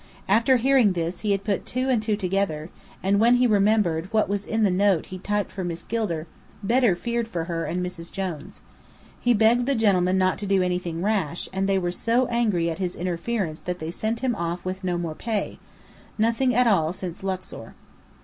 After hearing this he had put two and two together: and when he remembered what was in the note he typed for Miss Gilder, Bedr feared for her and Mrs. Jones. He begged the gentlemen not to do anything rash, and they were so angry at his interference that they sent him off with no more pay nothing at all since Luxor.